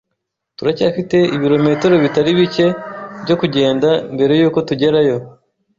Turacyafite ibirometero bitari bike byo kugenda mbere yuko tugerayo.